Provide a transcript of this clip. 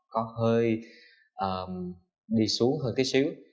có hơi đi xuống hơn tí xíu